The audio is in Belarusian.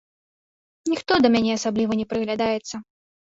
Ніхто да мяне асабліва не прыглядаецца.